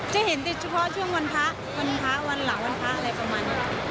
จะเห็นติดเฉพาะช่วงวันพระวันพระวันหลังวันพระอะไรประมาณนี้